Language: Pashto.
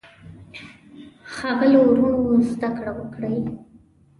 ښاغلو وروڼو زده کړه وکړئ.